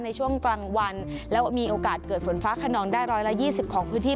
ในช่วงกลางวันแล้วมีโอกาสเกิดฝนฟ้าขนองได้ร้อยละยี่สิบของพื้นที่